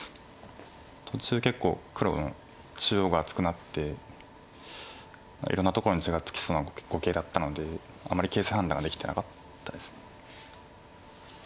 途中結構黒中央が厚くなっていろんなところに地がつきそうな碁形だったのであまり形勢判断ができてなかったです。